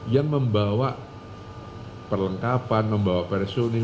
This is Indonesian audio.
yang membawa perlengkapan membawa personil